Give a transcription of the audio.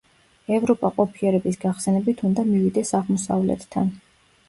ევროპა ყოფიერების გახსენებით უნდა მივიდეს აღმოსავლეთთან.